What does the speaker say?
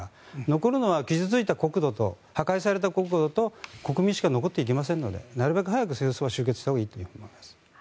残るのは傷付いた国土と破壊された国土と国民しか残っていきませんのでなるべく早く戦争は終結したほうがいいですね。